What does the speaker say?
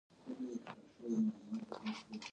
دویم دا چې تاسي ملا، مؤذنانو او ساتونکو ته تنخوا بنده کړه.